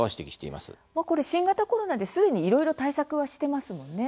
新型コロナで、すでにいろいろ対策はしてますもんね。